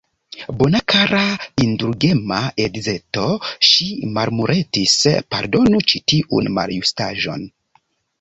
Bona, kara, indulgema edzeto, ŝi murmuretis, pardonu ĉi tiun maljustaĵon.